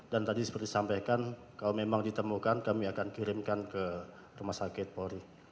dan tadi seperti disampaikan kalau memang ditemukan kami akan kirimkan ke rumah sakit polri